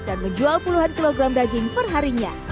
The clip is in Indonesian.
dan menjual puluhan kilogram daging perharinya